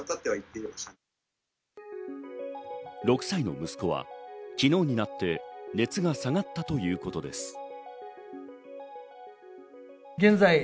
６歳の息子は昨日になって熱が下がったということです。